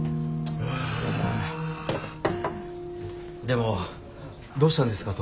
でもどうしたんですか？